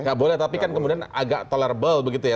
nggak boleh tapi kan kemudian agak tolerble begitu ya